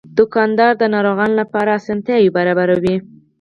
دوکاندار د ناروغانو لپاره اسانتیا برابروي.